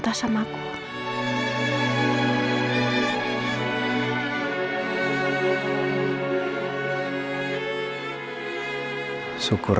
terima kasih tuhan